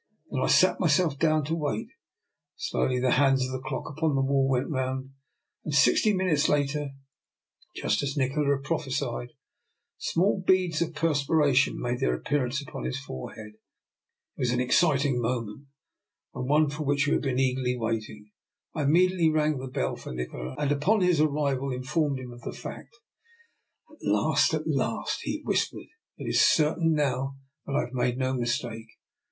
Then I sat myself down to wait. Slowly the hands of the clock upon the wall went round, and sixty minutes later, just as Nikola had prophesied, small beads of DR. NIKOLA'S EXPERIMENT. 229 perspiration made their appearance upon his forehead. It was an exciting moment, and one for which we had been eagerly waiting. I immediately rang the bell for Nikola, and upon his arrival informed him of the fact. " At last, at last," he whispered. " It is certain now that I have made no mistake.